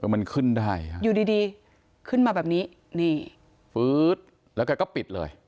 มันขึ้นได้อยู่ดีดีขึ้นมาแบบนี้นี่ฟื๊ดแล้วแกก็ปิดเลย